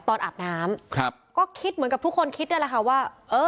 อาบน้ำครับก็คิดเหมือนกับทุกคนคิดนั่นแหละค่ะว่าเออ